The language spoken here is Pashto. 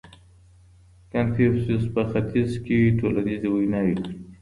کنفوسوس په ختیځ کي ټولنیزې ویناوې کړې دي.